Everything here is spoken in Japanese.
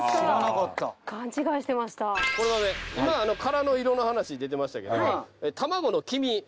今殻の色の話出てましたけど卵の黄身